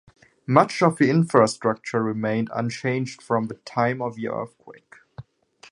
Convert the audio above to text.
Much of the infrastructure remained unchanged from the time of the earthquake.